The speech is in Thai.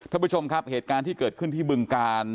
ท่านผู้ชมครับเหตุการณ์ที่เกิดขึ้นที่บึงการ